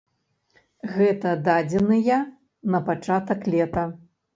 Гэта дадзеныя на пачатак лета.